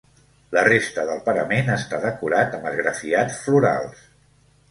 La resta del parament està decorat amb esgrafiats florals.